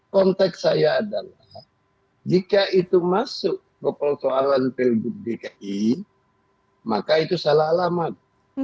konteks saya adalah jika itu masuk ke persoalan pilgub dki maka itu salah alamat